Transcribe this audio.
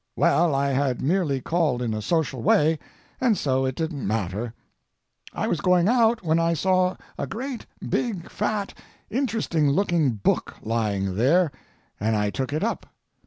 Well, I had merely called in a social way, and so it didn't matter. I was going out when I saw a great big, fat, interesting looking book lying there, and I took it up.